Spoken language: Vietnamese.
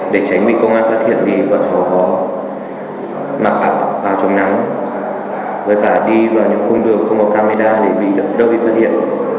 đánh bị công an phát hiện thì bọn họ có mặc áp vào trong nắng với cả đi vào những khung đường không có camera để bị đấu bị phát hiện